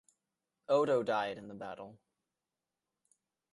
Odo died in the battle.